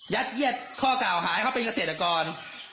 ยัดเย็ดข้อเก่าหายเขาเป็นเกษตรอากร